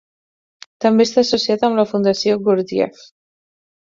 També està associat amb la Fundació Gurdjieff.